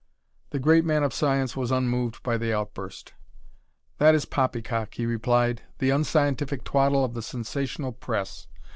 The great man of science was unmoved by the outburst. "That is poppycock," he replied; "the unscientific twaddle of the sensational press.